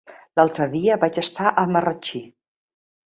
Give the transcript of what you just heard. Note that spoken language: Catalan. L'altre dia vaig estar a Marratxí.